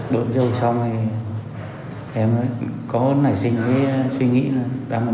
bộ dầu xong thì